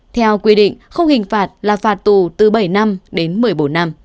theo quy định không hình phạt là phạt tù từ bảy năm đến một mươi bốn năm